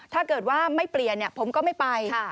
ถ้าเกิดว่าไม่เปลี่ยนผมก็ไม่ไป